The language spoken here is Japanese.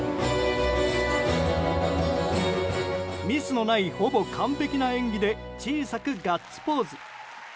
ミスのないほぼ完璧な演技で小さくガッツポーズ。